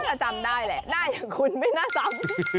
ถ้าจำได้แหละหน้าอย่างคุณไม่น่าจำ